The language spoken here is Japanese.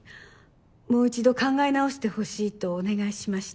もう一度考え直してほしいとお願いしました。